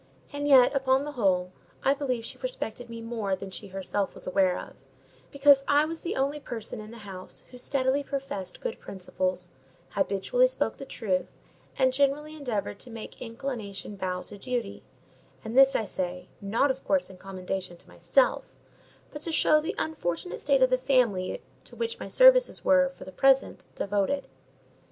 And yet, upon the whole, I believe she respected me more than she herself was aware of; because I was the only person in the house who steadily professed good principles, habitually spoke the truth, and generally endeavoured to make inclination bow to duty; and this I say, not, of course, in commendation of myself, but to show the unfortunate state of the family to which my services were, for the present, devoted.